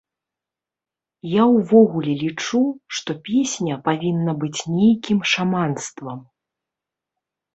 Я ўвогуле лічу, што песня павінна быць нейкім шаманствам.